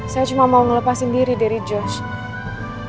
saya cuma mau ngelepasin diri dari josh